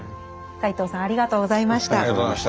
斎藤さんありがとうございました。